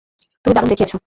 তুমি দারুণ দেখিয়েছ।